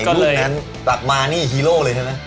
รูปนั้นตักมานี่ฮีโร่เลยใช่ไหม